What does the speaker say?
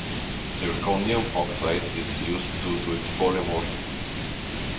Zirconium oxide is used due to its polymorphism.